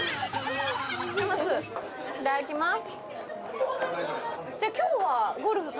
いただきます。